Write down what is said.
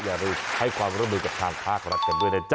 อย่าลืมให้ความร่วมมือกับทางภาครัฐกันด้วยนะจ๊